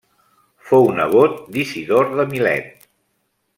Fou nebot d'Isidor de Milet.